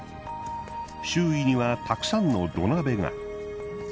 周囲にはたくさんの土鍋が。